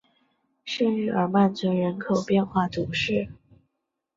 圣日耳曼村人口变化图示